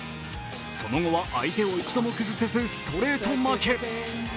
その後は、相手も一度も崩せずストレート負け。